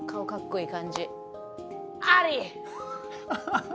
ハハハハ！